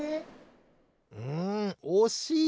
んおしい！